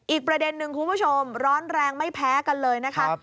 อีกประเด็นหนึ่งคุณผู้ชมร้อนแรงไม่แพ้กันเลยนะคะ